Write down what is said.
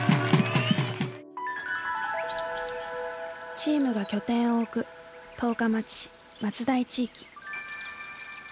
チームが拠点を置く十日町市松代地域。